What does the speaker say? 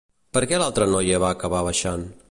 Per què l'altra noia va acabar baixant?